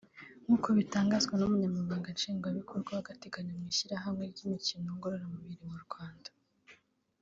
nk’uko bitangazwa n’umunyamabanga Nshingwabikorwa w’agateganyo mu Ishyirahamwe ry’Imukino Ngororamubiri mu Rwanda